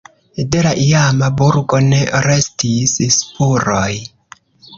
De la iama burgo ne restis spuroj.